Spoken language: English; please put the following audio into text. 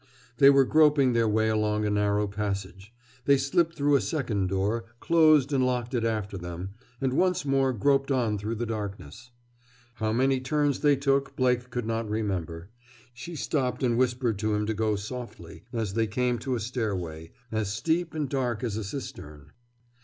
They were groping their way along a narrow passage. They slipped through a second door, closed and locked it after them, and once more groped on through the darkness. How many turns they took, Blake could not remember. She stopped and whispered to him to go softly, as they came to a stairway, as steep and dark as a cistern.